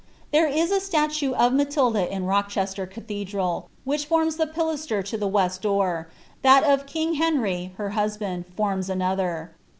There is a statue of Matilda in Rochester cathedral, which forms the pilaster to the west door; that o£ king Henry, her husband, forms another.